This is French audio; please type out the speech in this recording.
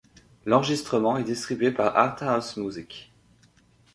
L'enregistrement est distribué par Arthaus Musik.